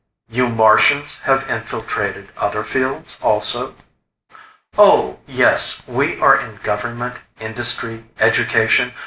"You Martians have infiltrated other fields also?" "Oh, yes. We are in government, industry, education.